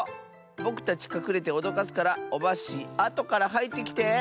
ぼくたちかくれておどかすからオバッシーあとからはいってきて！